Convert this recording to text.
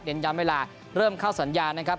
ย้ำเวลาเริ่มเข้าสัญญานะครับ